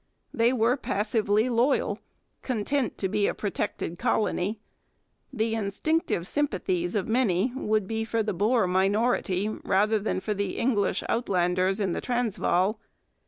They were passively loyal, content to be a protected colony. The instinctive sympathies of many would be for the Boer minority rather than for the English Outlanders in the Transvaal.